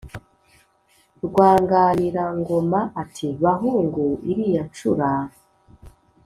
rwanganirangoma ati: “bahungu iriya ncura,